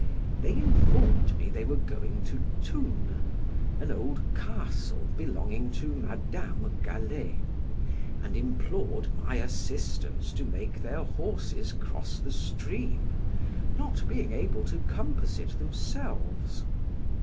They informed me they were going to Toune, an old castle belonging to Madam Galley, and implored my assistance to make their horses cross the stream, not being able to compass it themselves.